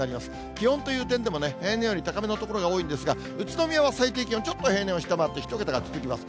気温という点でもね、平年より高めの所が多いんですが、宇都宮は最低気温、ちょっと平年を下回って、１桁が続きます。